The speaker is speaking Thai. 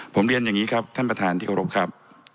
ผมเรียนอย่างนี้ครับท่านประธานที่เคารพครับ